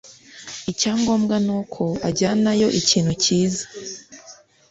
icyangombwa ni uko ujyanayo ikintu cyiza